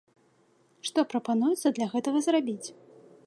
Што прапануецца для гэтага зрабіць?